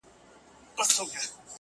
پلار و زوی ته و ویل د زړه له زوره,